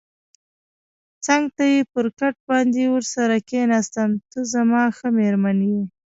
څنګ ته یې پر کټ باندې ورسره کېناستم، ته زما ښه مېرمن یې.